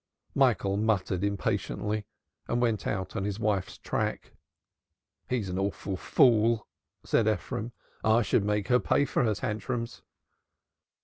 Michael muttered impatiently and went out on his wife's track. "He's an awful fool," said Ephraim. "I should make her pay for her tantrums."